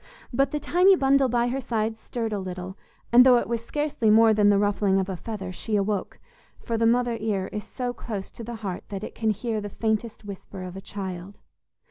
But the tiny bundle by her side stirred a little, and though it was scarcely more than the ruffling of a feather, she awoke; for the mother ear is so close to the heart that it can hear the faintest whisper of a child.